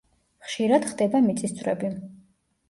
ხშირად ხდება მიწისძვრები.